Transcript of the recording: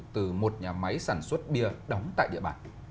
từ một nhà máy sản xuất bia đóng tại địa bàn